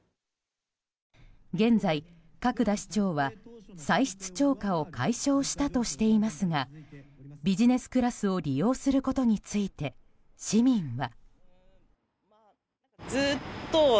現在、角田市長は歳出超過を解消したとしていますがビジネスクラスを利用することについて市民は。